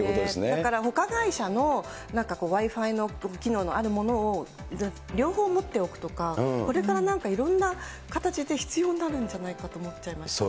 だからほか会社のＷｉ−Ｆｉの機能のあるものを、両方持っておくとか、これからなんか、いろんな形で必要になるんじゃないかと思っちゃいますね。